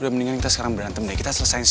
gue nggak pengen jadi musuh lo jin